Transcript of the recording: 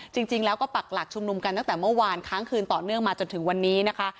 จริงแล้วก็ปักหลักชุมนุมกันตั้งแต่เมื่อวานค้างคืนต่อเนื่องมาจนถึงวันนี้นะคะ